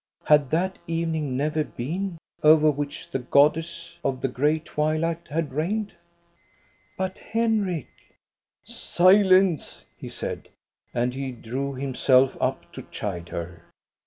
Had that evening never been, over which the goddess of the gray twilight had reigned ?" But, Henrik —"" Silence !" he said. And he drew himself up to chide her.